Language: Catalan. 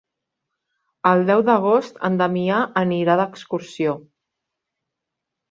El deu d'agost en Damià anirà d'excursió.